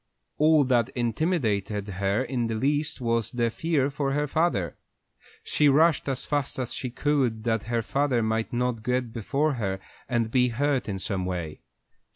All that intimidated her in the least was the fear for her father. She rushed as fast as she could that her father might not get before her and be hurt in some way.